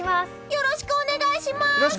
よろしくお願いします！